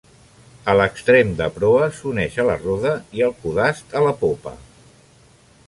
A l'extrem de proa s'uneix a la roda i al codast a la popa.